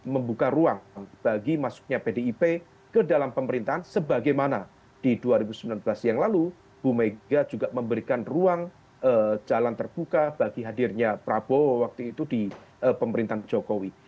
membuka ruang bagi masuknya pdip ke dalam pemerintahan sebagaimana di dua ribu sembilan belas yang lalu bu mega juga memberikan ruang jalan terbuka bagi hadirnya prabowo waktu itu di pemerintahan jokowi